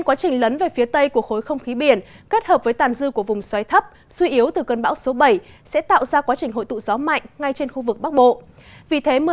các bạn hãy đăng ký kênh để ủng hộ kênh của chúng mình nhé